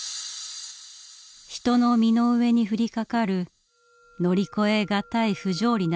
人の身の上に降りかかる乗り越え難い不条理な出来事。